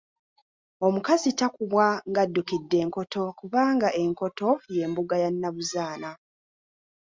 Omukazi takubwa ng'addukidde enkoto kubanga enkoto ye mbuga ya Nnabuzaana.